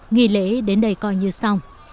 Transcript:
nghỉ lễ đến đây coi như xong